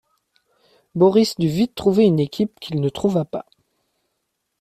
Boris dut vite trouver une équipe qu'il ne trouva pas.